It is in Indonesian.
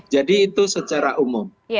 jadi itu secara umum